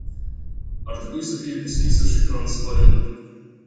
Ar trebui să fie deschisă și transparentă.